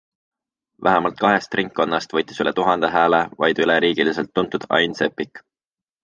Vähemalt kahest ringkonnast võttis üle tuhande hääle vaid üleriigiliselt tuntud Ain Seppik.